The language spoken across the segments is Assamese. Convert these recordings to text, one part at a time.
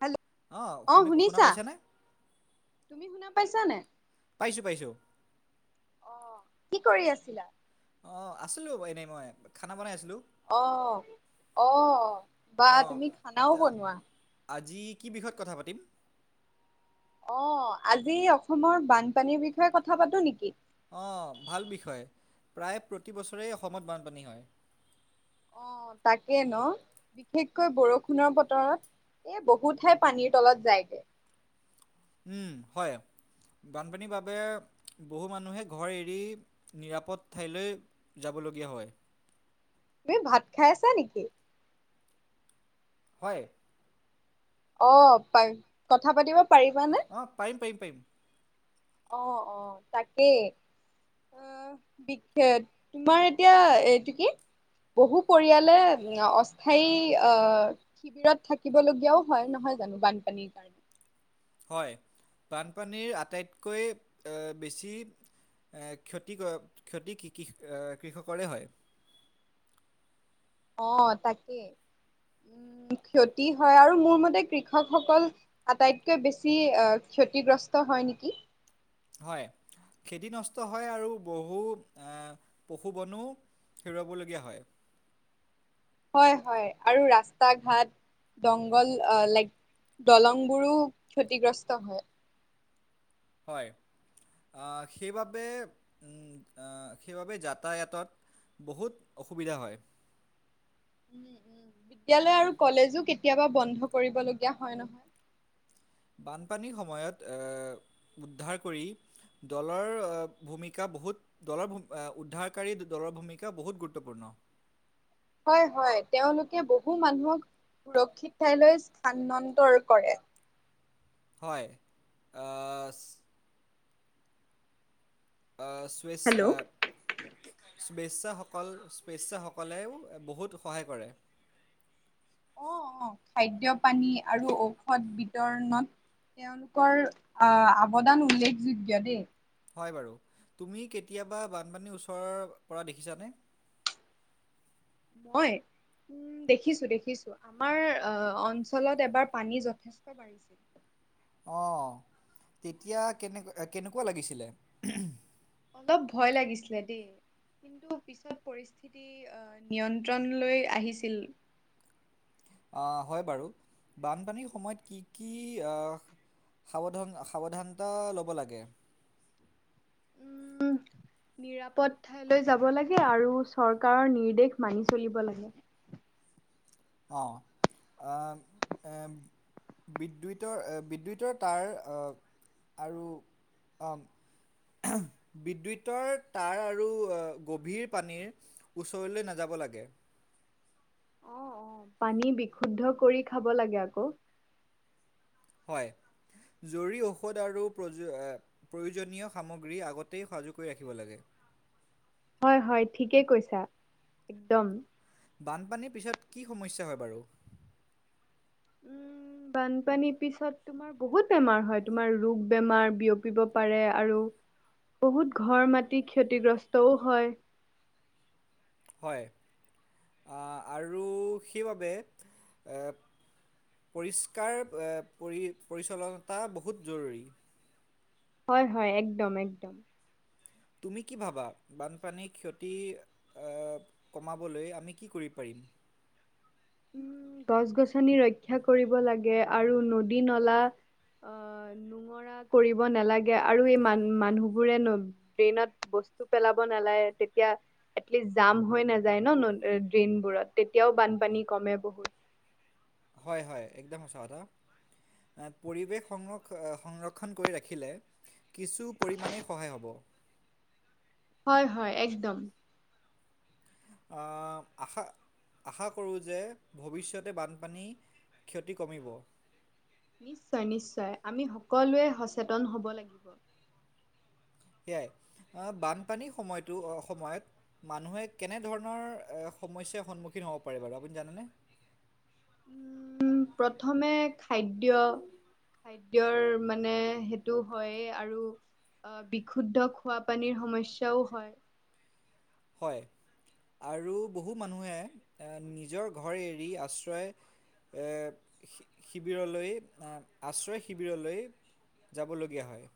হেল্ল' অঁ শুনি শুনা শুনিছা পাইছানে তুমি শুনা পাইছা নাই পাইছোঁ পাইছোঁ অ কি কৰি আছিলা অঁ আছিলোঁ এনেই মই খানা বনাই আছিলোঁ অ অ বা অঁ তুমি খানাও তা বনোৱা আজি কি বিষয়ত কথা পাতিম অ আজি অসমৰ বানপানীৰ বিষয়ে কথা পাতো নেকি অঁ ভাল বিষয় প্ৰায় প্ৰতিবছৰেই অসমত বানপানী হয় অ তাকে ন বিশেষকৈ বৰষুণৰ বতৰত এ বহুত ঠাই পানীৰ তলত যায়গৈ উম হয় বানপানীৰ বাবে বহু মানুহে ঘৰ এৰি নিৰাপদ ঠাইলৈ যাবলগীয়া হয় তুমি ভাত খাই আছা নেকি হয় অ কথা পাতিব পাৰিবানে অঁ পাৰিম পাৰিম অ অ তাকেই তোমাৰ এতিয়া এইটো কি বহু পৰিয়ালে অস্থায়ী আহ শিবিৰত থাকিব লগগীয়াও হয় নহয় জানো বানপানীৰ কাৰণে হয় বানপানীৰ আটাইতকৈ বেছি ক্ষতি ক্ষতি কৃষকৰে হয় অ তাকেই উম ক্ষতি হয় আৰু মোৰ মতে কৃষকসকল আটাইতকৈ বেছি আহ ক্ষতিগ্ৰস্ত হয় নেকি হয় খেতি নষ্ট হয় আৰু বহু এ পশু বনো হেৰুৱাবলগীয়া হয় হয় হয় আৰু ৰাস্তা ঘাট দংঘল লাইক দলং বোৰো ক্ষতিগ্ৰস্ত হয় হয় আ সেইবাবে উম আ সেইবাবে যাতায়াতত বহুত অসুবিধা হয় উম উম বিদ্যয়ালয় আৰু কলেজো কেতিয়াবা বন্ধ কৰিব লগীয়া হয় নহয় বানপানীৰ সময়ত এ উদ্ধাৰ কৰি দলৰ ভূমিকা বহুত দলৰ ভু আ উদ্ধাৰকাৰী দলৰ ভূমিকা বহুত গুৰুত্বপূৰ্ণ হয় হয় তেওঁলোকে বহু মানুহক সুৰক্ষিত ঠাইলৈ স্থান্তৰ কৰে হয় আহ আহ চইছ হেল্ল' আ স্পেচ্ছাসকল স্পেচ্ছাসকলেও বহুত সহায় কৰে অ অ খাদ্য পানী আৰু ঔষধ বিতৰণত তেওঁলোকৰ আহ অৱদান উল্লেখযোগ্য দেই হয় বাৰু তুমি কেতিয়াবা বানপানীৰ ওচৰৰ পৰা দেখিছানে মই উম দেখিছো দেখিছো আমাৰ আহ অঞ্চলত এবাৰ পানী যথেষ্ট বাঢ়িছিল অ তেতিয়া কেনে কেনেকুৱা লাগিছিলে অলপ ভয় লাগিছিলে দেই কিন্তু পিছত পৰিস্থিতি পৰিস্থিতি অ নিয়ন্ত্ৰণলৈ আহিছিল অহ হয় বাৰু বানপানীৰ সময়ত কি কি‌ আহ সাৱধান সাৱধানতা ল'ব লাগে উম, নিৰাপদ ঠাইলৈ যাব লাগে আৰু চৰকাৰৰ নিৰ্দেশ মানি চলিব লাগে অ আহ এম বিদ্যুতৰ বিদ্যুতৰ তাঁৰ অহ আৰু অ আহ বিদ্যুতৰ তাঁৰ আৰু গভীৰ পানীৰ ওচৰলৈ নাযাব লাগে অ', অ', পানী বিশুদ্ধ কৰি খাব লাগে আক হয় জৰুৰী ঔষধ আৰু পজো প্ৰয়োজনীয় সামগ্ৰী আগতেই সাজু কৰি ৰাখিব লাগে হয় হয় ঠিকে কৈছা একদম বানপানীৰ পিছত কি সমস্যা হয় বাৰু উম বানপানীৰ পিছত তোমৰ বহুত বেমাৰ হয় তোমাৰ ৰোগ বেমাৰ বিয়পিব পাৰে আৰু বহুত ঘৰ মাটি ক্ষতিগ্ৰস্তও হয় হয় আ আৰু সেইবাবে এ পৰিষ্কাৰ এ পৰি পৰিচন্নতা বহুত জৰুৰী হয় হয় একদম একদম তুমি কি ভাবা বানপানীৰ ক্ষতি এ কমাবলৈ আমি কি কৰি পাৰি উম গছ গছনি ৰক্ষা কৰিব লাগে আৰু নদী নলা আহ নোঙৰা কৰিব নালাগে আৰু এই মান মানুহবোৰে ড্ৰেইনৰ বস্তু পেলাব নালাগে তেতিয়া। এটলিষ্ট জাম হৈ নাযায় ন ড্ৰেইনবোৰত তেতিয়াও বানপানী কমে বহুত হয় হয় একদম সঁচা কথা। পৰিৱেশ সংৰক্ষ সংৰক্ষণ কৰি ৰাখিলে। কিছু পৰিমাণেই সহায় হ'ব। হয় হয় একদম। অ আশা- আশা কৰোঁ যে ভৱিষ্যতে বানপানী, ক্ষতি কমিব। নিশ্চয় নিশ্চয় আমি সকলোৱে সচেতন হ'ব লাগিব। সেয়াই বানপানীৰ, সময়টো সময়ত মানুহে কেনেধৰণৰ সমস্যাৰ সন্মুখীন হ'ব পাৰে বাৰু আপুনি জানেনে। উম প্ৰথমে খাদ্য। খাদ্যয়ৰ মানে সেইটো হয়েই আৰু অ বিশুদ্ধ খোৱাপানীৰ সমস্যাও হয়। হয় আৰু বহু মানুহে নিজৰ ঘৰ এৰি আশ্ৰয়। এই শিবিৰলৈ আশ্ৰয় শিবিৰলৈ যাবলগীয়া হয়।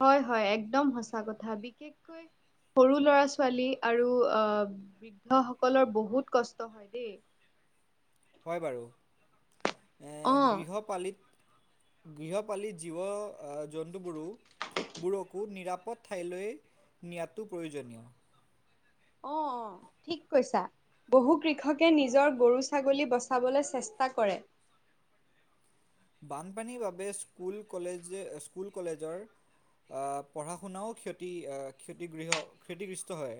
হয় হয় একদম সঁচা কথা বিশেষকৈ। সৰু লৰা -ছোৱালী আৰু অ বৃদ্ধ সকলৰ বহুত কষ্ট হয় দেই। হয় বাৰু অ', গৃহপালিত গৃহপালিত জীৱ জন্তুবোৰো। বোৰকো নিৰাপদ ঠাইলৈ নিয়াতটো প্ৰয়োজনীয়। অ অ ঠিক কৈছা। বহু কৃষকে নিজৰ গৰু- ছাগলী বচাবলৈ চেষ্টা কৰে। বানপানীৰ বাবে স্কুল কলেজে স্কুল কলেজৰ। অ পঢ়া শুনাও ক্ষতি ক্ষতিগৃহ ক্ষতিগ্ৰস্ত হয়।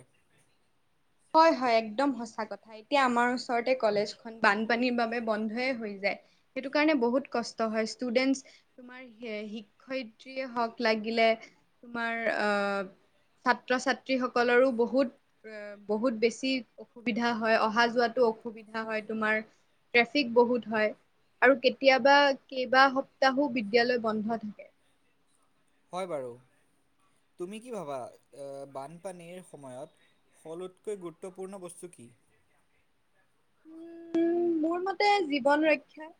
হয় হয় একদম সঁচা কথা। এতিয়া আমাৰ ওচৰতে কলেজখন বানপানীৰ বাবে বন্ধয়ে হৈ যায়। সেইটো কাৰণে বহুত কষ্ট হয় ষ্টুডেন্টচ তোমাৰ শিক্ষয়িত্ৰীয়ে হওঁক লাগিলে তোমাৰ আহ ছাত্ৰ ছাত্ৰী সকলৰো বহুত। বহুত বেছি অসুবিধা হয় অহা যোৱাতো অসুবিধা হয়। তোমাৰ ট্ৰেফিক বহুত হয়। আৰু কেতিয়াবা কেইবা সপ্তাহো বিদ্যয়ালয় বন্ধ থাকে। হয় বাৰু তুমি কি ভাবা বানপানীৰ সময়ত সলোতকৈ গুৰুত্বপূৰ্ণ বস্তু কি? উম মোৰ মতে জীৱন ৰক্ষা।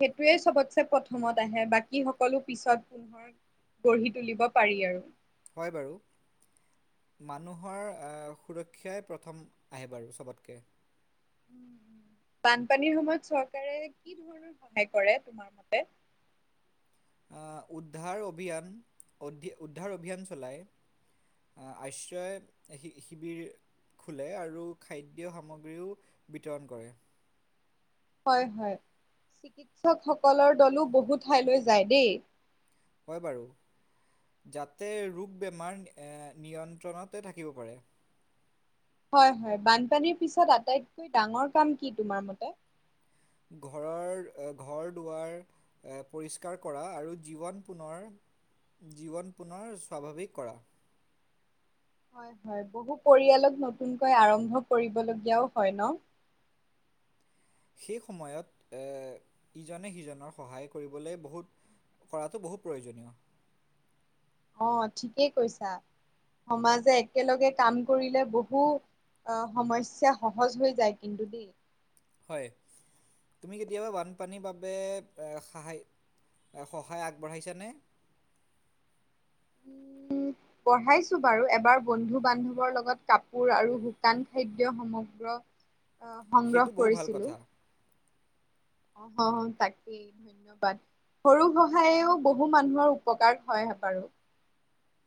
সেইটোৱে চবতছেে প্ৰথমত আহে বাকী সকলো পিছত পোন্ধৰ। গঢ়ি তুলিব পাৰি। আৰু হয়। বাৰু মানুহৰ সুৰক্ষাই প্ৰথম আহে। বাৰু চবতকে বানপানীৰ সময়ত চৰকাৰে কি ধৰণৰ সহায় কৰে। তোমাৰ ফালে। উদ্ধাৰ অভিযান উদ্ধাৰ অভিযান চলাই। আশ্ৰয় শ শিবিৰ। খোলে আৰু খাদ্য সামগ্ৰীও বিতৰণ কৰে। হয় হয় চিকিৎসকসকলৰ দলো বহু ঠাইলৈ যায় দেই। হয় বাৰু যাতে ৰোগ বেমাৰ নিয়ন্ত্ৰণতে থাকিব পাৰে। হয় হয় বানপানীৰ পিছত আটাইতকৈ ডাঙৰ কাম কি তোমাৰ মতে। ঘৰৰ ঘৰ দুৱাৰ। পৰিষ্কাৰ কৰা আৰু জীৱন পুনৰ। জীৱন পুনৰ স্বাভাৱিক কৰা। হয় হয় বহু পৰিয়ালক নতুনকৈ আৰম্ভ কৰিবলগীয়াও হয় ন, সেই সময়ত এ ইজনে সিজনৰ সহায় কৰিবলে বহুত, কৰাটো বহুত প্ৰয়োজনীয়। অ ঠিকেই কৈছা সমাজে একেলগে কাম কৰিলে বহু, সমস্যা সহজ হৈ যায় কিন্তু দেই। হয়। তুমি কেতিয়াবা বানপানীৰ বাবে সহায় সহায় আগবঢ়াইছানে। উম [inaudible] পঢ়াইছো বাৰু এবাৰ বন্ধু বান্ধৱৰ লগত কাপোৰ আৰু শুকান খাদ্য সমগ্ৰ, আহ সংগ্ৰহ সেইটো বহু ভাল কৰিছিলো কথা। অ তাকেই, ধবাদ সৰু সহায়েও বহু মানুহৰ উপকাৰ হয় বাৰু,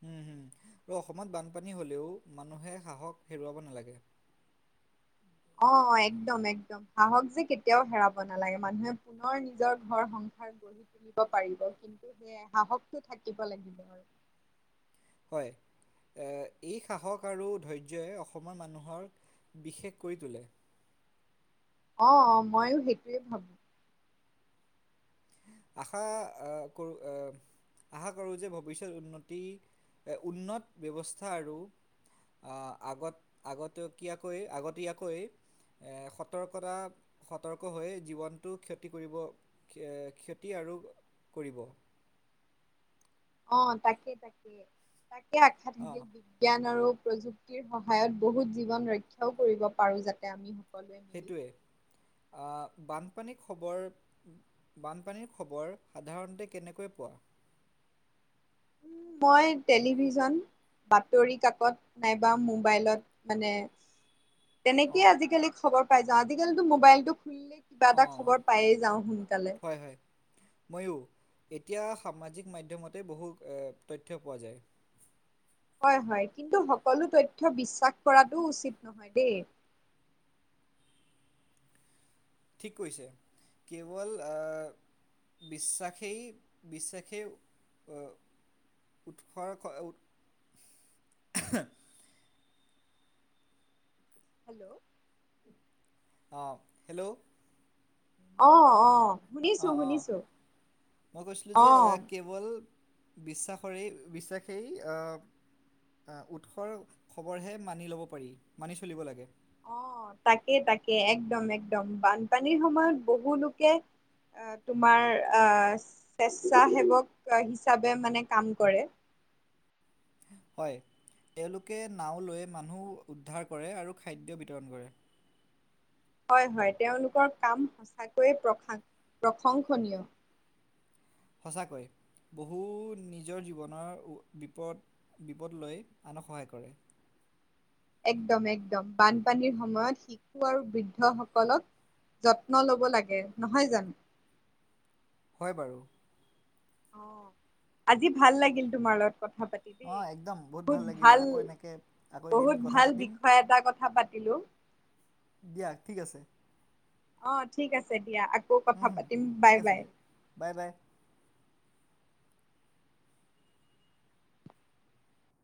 উম উম আৰু অসমত বানপানী হ'লেও মানুহে সাহসক হেৰুৱাব নালাগে। অ একদম একদম। সাহস যে কেতিয়াও হেৰাব নালাগে মানুহে পুনৰ নিজৰ ঘৰ সংসাৰ। পঢ়ি তুলিব পাৰিব কিন্তু সেই সাহসটো থাকিব লাগিব আৰু হয় এই সাহস আৰু ধৈৰ্যই অসমৰ মানুহৰ, বিশেষ কৰি তোলে। অ অ মইয়ো সেইটোৱে ভাবো। আশা আ কৰো আ, আশা কৰোঁ যে ভৱিষ্যত উন্নতি উন্নত ব্যৱস্থা আৰু আগত আগতে কিয়াকৈ আগতীয়াকৈ। সতৰ্কতা সতৰ্ক হৈ জীৱনটো ক্ষতি কৰিব এ, ক্ষতি আৰু কৰিব। অ তাকে তাকে তাকে আশা অঁ থাকিল। জ্ঞান আৰু প্ৰযুক্তিৰ সহায়ত বহুত জীৱন ৰক্ষাও কৰিব পাৰোঁ যাতে আমি সকলোৱে। মিলি সেইটোৱে আ বানপানী খবৰ। বানপানীৰ খবৰ সাধাৰণতে কেনেকৈ পোৱা। মই টেলিভিজন। বাতৰি কাকত নাইবা মোবাইলত মানে। তেনেকেইে অঁ আজিকালি খবৰ পাই যাও আজিকালি মোবাইলটো খুলিলেই, কিবা এটা অঁ খবৰ পায়ে যাওঁ সোনকালে। হয় হয় ময়ো এতিয়া সামাজিক মাধ্যমতে বহু তথ্য পোৱা যায়। হয় হয় কিন্তু সকলো তথ্য বিশ্বাস কৰাটো উচিত নহয় দেই। ঠিক কৈছে কেৱল অ, বিশ্বাসেই বিশ্বাসেই উৎসৰ উ হেল্ল', অঁ হেল্ল' অ অ শুনিছো অঁ অঁ শুনিছো মই কৈছিলোঁ যে অ কেৱল বিশ্বাসৰেই বিশ্বাসেই উৎসৰ খবৰহে মানি ল'ব পাৰি মানি চলিব লাগে অ তাকে তাকে একদম একদম বানপানীৰ সময়ত বহু লোকে তোমাৰ আহ স্বেচ্ছাসেৱক হিচাপে মানে কাম কৰে হয় এওঁলোকে নাও লৈ মানুহ উদ্ধাৰ কৰে আৰু খাদ্য বিতৰণ কৰে হয় হয় তেওঁলোকৰ কাম সঁচাকৈয়ে প্ৰশ প্ৰশংসনীয় সঁচাকৈ বহু নিজৰ জীৱনৰ বিপদ বিপদ লৈ আনক সহায় কৰে একদম একদম বানপানীৰ সময়ত শিশু আৰু বৃদ্ধ সকলক যত্ন ল'ব লাগে নহয় জানো হয় বাৰু অ আজি ভাল লাগিল তোমাৰ লগত কথা পাতি দ অঁ একদম বহুত লাগিলে ভাল আকৌ এনেকৈ আকৌ এদিন বহুত কথা ভাল পাতিম বিষয় এটা কথা পাতিলো দিয়া ঠিক আছে অ ঠিক আছে দিয়া আকৌ কথা হুম হুম পাতিম বাই ঠিক আছে বাই দিয়া বাই বাই